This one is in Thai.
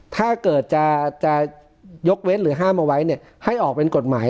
ถ้าเกิดจะยกเว้นหรือห้ามเอาไว้เนี่ยให้ออกเป็นกฎหมาย